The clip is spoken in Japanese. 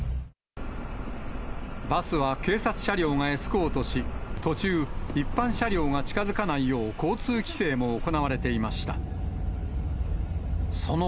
バスは警察車両がエスコートし、途中、一般車両が近づかないよう交通規制も行われていました。